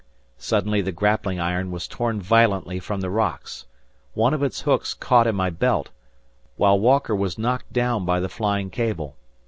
Suddenly the grappling iron was torn violently from the rocks. One of its hooks caught in my belt, while Walker was knocked down by the flying cable.